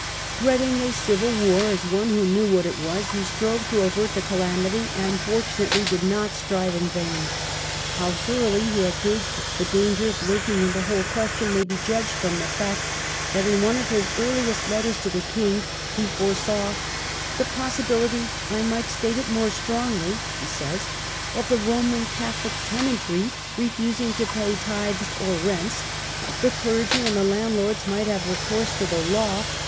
Dreading a civil war, as one who knew what it was, he strove to avert the calamity, and fortunately did not strive in vain. How thoroughly he had gauged the dangers lurking in the whole question may be judged from the fact that, ^ in one of his earliest letters to the King, he foresaw "the possibility — I might state it more strongly," he says, " of the Eoman Catholic tenantry refusing to pay tithes or rents. The clergy and the landlords might have recourse to the law.